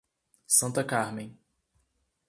Santa Carmem